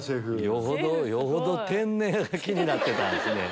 よほど天然が気になってたんすね。